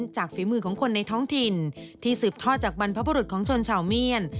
ฝีมือของคนในท้องถิ่นที่สืบทอดจากบรรพบุรุษของชนชาวเมียน